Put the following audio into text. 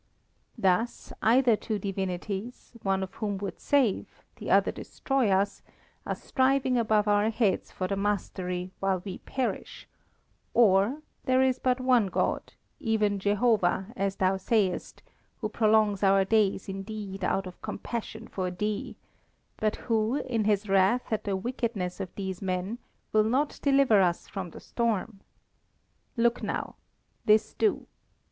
Thus, either two Divinities, one of whom would save, the other destroy us, are striving above our heads for the mastery while we perish; or, there is but one God, even Jehovah, as thou sayest, who prolongs our days indeed out of compassion for thee but who, in His wrath at the wickedness of these men, will not deliver us from the storm. Look now, this do!